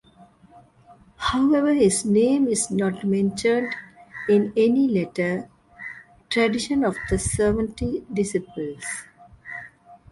However his name is not mentioned in any later tradition of the Seventy disciples.